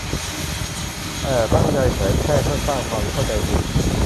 แต่ตั้งใจเผยแพร่เพื่อสร้างความเข้าใจผิด